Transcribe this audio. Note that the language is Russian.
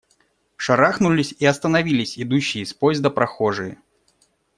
Шарахнулись и остановились идущие с поезда прохожие.